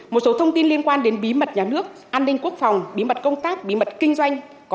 một số thông tin liên quan đến bí mật nhà nước an ninh quốc phòng bí mật công tác bí mật kinh doanh